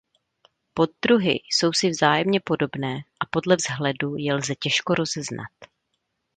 Poddruhy jsou si vzájemně podobné a podle vzhledu je lze těžko rozeznat.